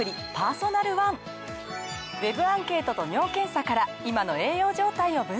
ＷＥＢアンケートと尿検査から今の栄養状態を分析！